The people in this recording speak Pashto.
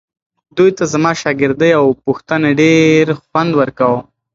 دوی ته زما شاګردۍ او پوښتنو ډېر خوند ورکاوو.